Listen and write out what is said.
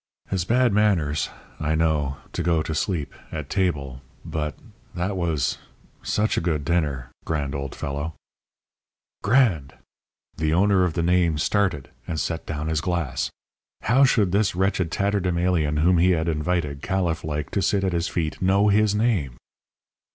"It's bad manners I know to go to sleep at table but that was such a good dinner Grande, old fellow." Grande! The owner of the name started and set down his glass. How should this wretched tatterdemalion whom he had invited, Caliph like, to sit at his feet know his name?